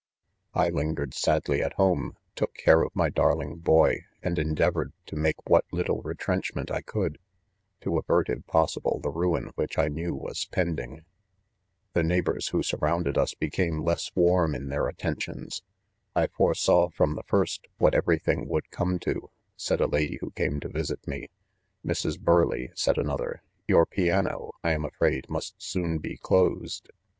" I lingered sadly at home, took eare of my darling boy, and endeavored to make what little retrenchment I could^ to avert, if possi ble, the ruin which I knew was pending. £i The neighbors who surrounded us became 3eos w.arm in their attentions. 'I foresaw from the first, what every thing would come to/ said a lady who came to visit me. i Mrs. Burleigh, 5 said another, 'your piano, I am afraid, must soon be closed.